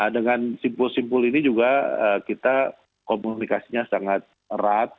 dengan simpul simpul ini juga kita komunikasinya sangat erat